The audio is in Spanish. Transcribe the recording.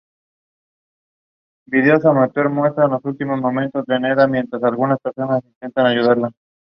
Durante su estancia en Madrid se doctoró en Leyes.